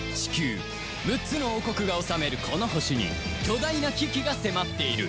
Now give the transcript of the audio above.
６つの王国が治めるこの星に巨大な危機が迫っている